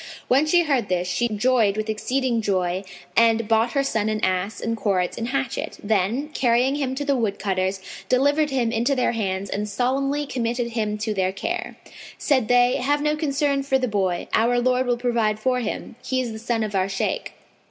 When she heard this, she joyed with exceeding joy and bought her son an ass and cords and hatchet; then, carrying him to the woodcutters, delivered him into their hands and solemnly committed him to their care. Said they, "Have no concern for the boy, our Lord will provide for him: he is the son of our Shaykh."